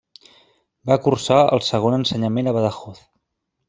Va cursar el segon ensenyament a Badajoz.